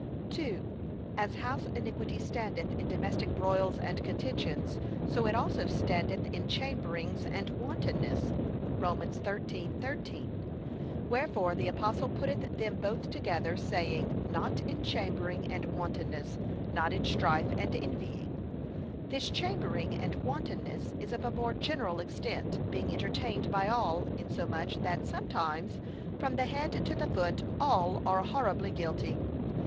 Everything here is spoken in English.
2. As house iniquity standeth in domestic broils and contentions; so it also standeth in chamberings and wantonness. (Rom. 13:13) Wherefore the apostle putteth them both together, saying, 'not in chambering and wantonness, not in strife and envying.' This chambering and wantonness is of a more general extent, being entertained by all, insomuch, that sometimes from the head to the foot all are horribly guilty.